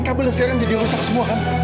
karena konsletingnya sudah menjalar ke seluruh